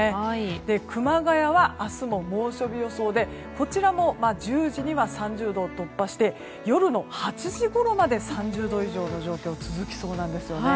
熊谷は明日も猛暑日予想でこちらも１０時には３０度を突破して夜の８時ごろまで３０度以上の状況が続きそうなんです。